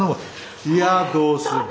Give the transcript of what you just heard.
いやどうすっべ。